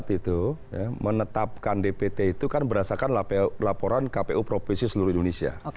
kpu proposal itu menetapkan dpt itu kan berdasarkan laporan kpu keputusan seluruh indonesia